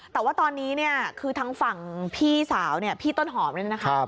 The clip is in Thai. แต่ว่าตอนนี้คือทั้งฝั่งพี่สาวพี่ต้นหอมนี่นะคะ